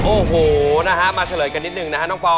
โอ้โหนะฮะมาเฉลยกันนิดหนึ่งนะฮะน้องปอ